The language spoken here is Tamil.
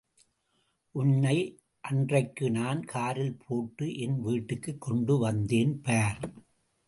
உன்னை அன்றைக்கு நான் காரில் போட்டு என் வீட்டுக்குக் கொண்டு வந்தேன் பார்.